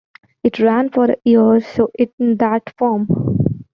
It ran for a year or so in that form.